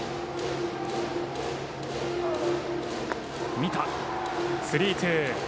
見た、スリーツー。